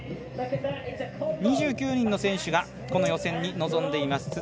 ２９人の選手がこの予選に臨んでいます。